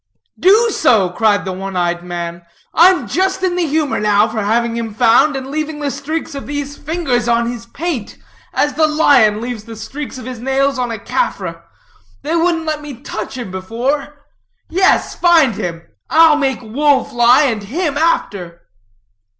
"Do so," cried the one eyed man, "I'm just in the humor now for having him found, and leaving the streaks of these fingers on his paint, as the lion leaves the streaks of his nails on a Caffre. They wouldn't let me touch him before. Yes, find him, I'll make wool fly, and him after."